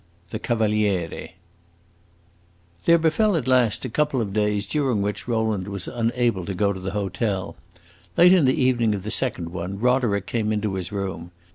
The Cavaliere There befell at last a couple of days during which Rowland was unable to go to the hotel. Late in the evening of the second one Roderick came into his room.